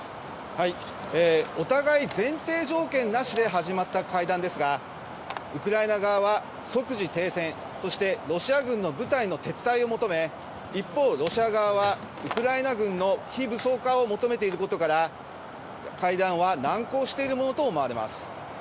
お互い、前提条件なしで始まった会談ですがウクライナ側は即時停戦とロシア軍の部隊の撤退を求め一方、ロシア側はウクライナ軍の非武装化を求めていることから会談は難航しているものと思われます。